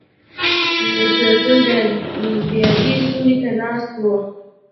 شېرګل د بيدې سيوري ته ناست و.